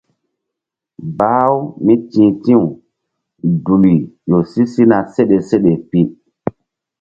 Bah-u mí ti̧h ti̧w duli ƴo si sina seɗe seɗe pi.